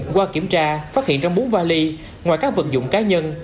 qua kiểm tra phát hiện trong bốn vali ngoài các vật dụng cá nhân